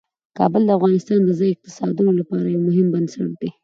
کابل د افغانستان د ځایي اقتصادونو لپاره یو مهم بنسټ دی.